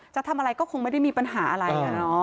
จะทำอะไรก็คงไม่ได้มีปัญหาอะไร